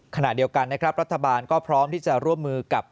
ขณะเดียวกันนะครับรัฐบาลก็พร้อมที่จะร่วมมือกับ